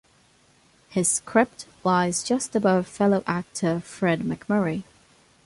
His crypt lies just above fellow actor Fred MacMurray.